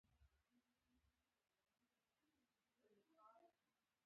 ویل یې عصري علم بیخي بې ګټې دی.